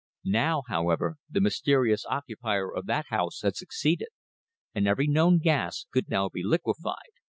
Now, however, the mysterious occupier of that house had succeeded, and every known gas could now be liquefied.